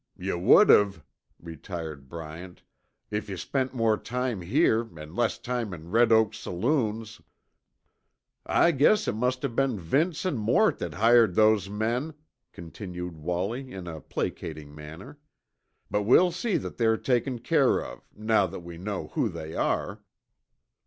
"Yuh would have," retorted Bryant, "if yuh spent more time here an' less time in Red Oak saloons." "I guess it must have been Vince an' Mort that hired those men," continued Wallie in a placating manner, "but we'll see that they're taken care of, now that we know who they are."